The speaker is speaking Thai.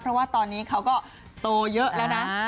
เพราะว่าตอนนี้เขาก็โตเยอะแล้วนะ